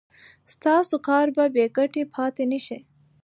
ستاسو کار به بې ګټې پاتې نشي.